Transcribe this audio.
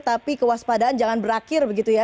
tapi kewaspadaan jangan berakhir begitu ya